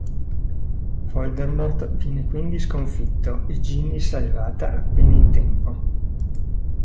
Voldemort viene quindi sconfitto e Ginny salvata appena in tempo.